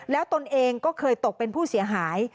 แล้วตนเองก็เคยตกเป็นผู้เสียหาย